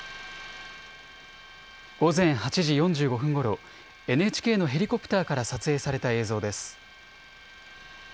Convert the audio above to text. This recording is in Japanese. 午前８時４５分ごろ、ＮＨＫのヘリコプターから撮影された映像です。